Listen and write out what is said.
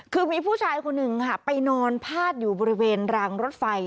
คือมีผู้ชายคนหนึ่งค่ะไปนอนพาดอยู่บริเวณรางรถไฟ